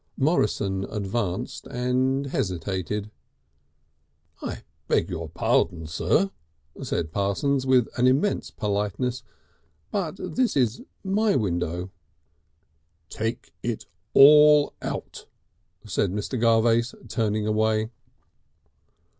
Morrison advanced and hesitated. "I beg your pardon, Sir," said Parsons with an immense politeness, "but this is my window." "Take it all out," said Mr. Garvace, turning away.